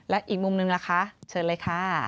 และอีกมุมนึงล่ะคะเชิญเลยค่ะ